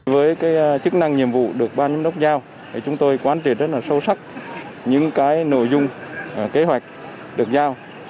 với chức năng nhiệm vụ được ban giám đốc giao chúng tôi quán triệt rất sâu sắc những nội dung kế hoạch được giao